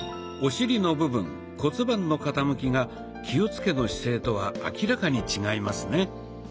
お尻の部分骨盤の傾きが気をつけの姿勢とは明らかに違いますね。